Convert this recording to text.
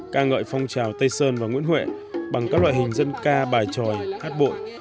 ca ngợi phong trào tây sơn và nguyễn huệ bằng các loại hình dân ca bài tròi hát bội